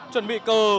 chuẩn bị cờ